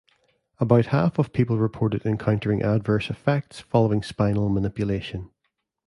About half of people reported encountering adverse effects following spinal manipulation.